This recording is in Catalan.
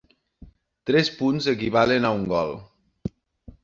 Tres punts equivalen a un gol.